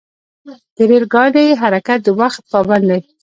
د ریل ګاډي حرکت د وخت پابند دی.